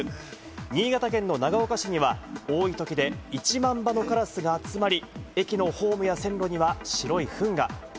新潟県の長岡市には、多いときで１万羽のカラスが集まり、駅のホームや線路には白いふんが。